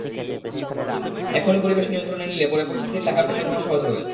এখনই পরিবেশ নিয়ন্ত্রণে নিলে পরে পরিস্থিতির লাগাম টেনে ধরা সহজ হবে।